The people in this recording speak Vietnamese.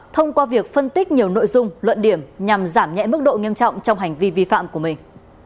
thông qua việc phân tích nhiều nội dung luận điểm nhằm giảm nhẹ mức độ nghiêm trọng trong hành vi vi phạm của mình